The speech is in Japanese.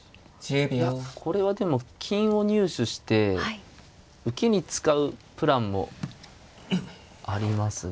いやこれはでも金を入手して受けに使うプランもありますね。